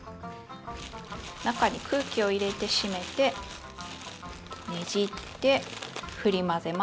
中に空気を入れて閉めてねじってふり混ぜます。